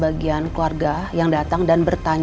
mau ngomong apa dia ke andien